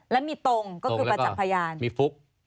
และมีตรงก็คือประจักษ์พยานมีฟุก